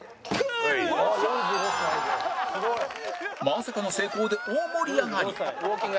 まさかの成功で大盛り上がり